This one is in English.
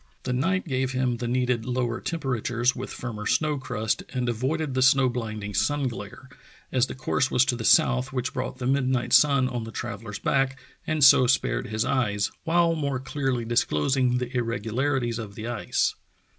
The night 26o True Tales of Arctic Heroism gave him the needed lower temperatures with firmer snow crust, and avoided the snow blinding sun glare, as the course was to the south which brought the mid night sun on the traveller's back and so spared his eyes, while more clearly disclosing the irregularities of the ice.